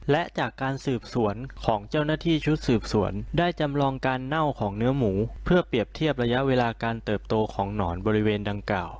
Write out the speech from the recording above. และจากการสืบสวนของเจ้าหน้าที่ชุดสืบสวนได้จำลองการเน่าของเนื้อหมูเพื่อเปรียบเทียบระยะเวลาการเติบโตของหนอนบริเวณดังกล่าว